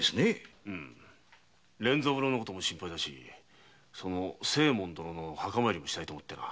連三郎のことも心配だし仙右衛門殿の墓参りもしたいと思ってな。